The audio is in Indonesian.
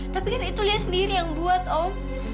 tapi kan itu lihat sendiri yang buat om